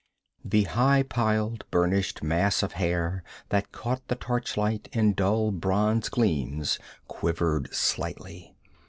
The high piled burnished mass of hair that caught the torchlight in dull bronze gleams quivered slightly.